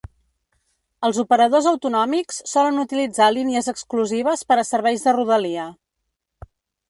Els operadors autonòmics solen utilitzar línies exclusives per a serveis de rodalia.